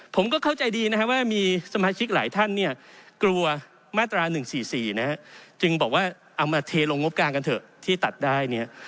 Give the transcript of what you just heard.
ผมก็เข้าใจดีนะครับว่ามีสมาชิกหลายท่านเนี่ยกลัวมาตรา๑๔๔นะฮะจึงบอกว่าเอามาเทลงงบกลางกันเถอะที่ตัดได้เนี่ย